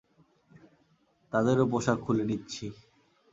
তাদেরও পোশাক খুলে নিচ্ছি।